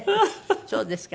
そうですか。